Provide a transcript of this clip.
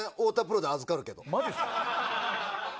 マジですか？